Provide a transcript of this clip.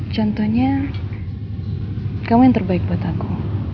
contohnya kamu yang terbaik buat aku